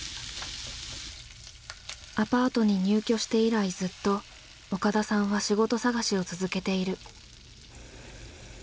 アパートに入居して以来ずっと岡田さんは仕事探しを続けている。